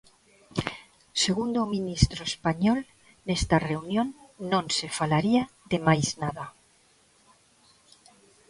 Segundo o ministro español, nesta reunión non se falaría de máis nada.